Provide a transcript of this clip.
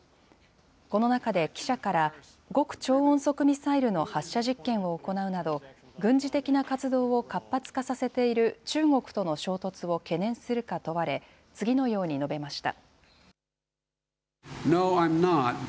この中で記者から、極超音速ミサイルの発射実験を行うなど、軍事的な活動を活発化させている中国との衝突を懸念するか問われ、次のように述べました。